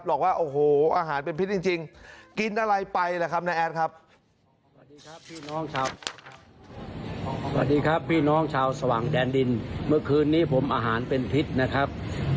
หลอกว่าโอ้โหอาหารเป็นพิษจริงกินอะไรไปแหละครับน้าแอดครับ